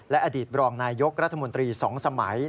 อดีตบรองนายยกรัฐมนตรี๒สมัย